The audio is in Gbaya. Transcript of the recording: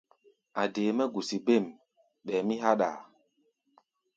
A̧ dee mɛ́ gusi bêm, ɓɛɛ mí háɗʼaa.